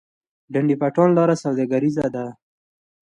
ډنډ پټان لاره سوداګریزه ده؟